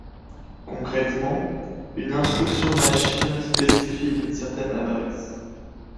Concrètement, une instruction machine spécifie une certaine adresse.